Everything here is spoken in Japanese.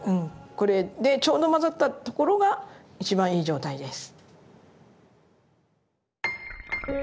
これでちょうど混ざったところが一番いい状態です。